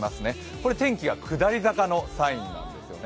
これは天気が下り坂のサインなんですね。